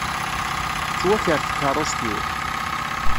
Tettwaker tkeṛṛust-iw.